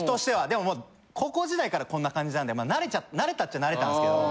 でも高校時代からこんな感じなんで慣れたっちゃ慣れたんですけど。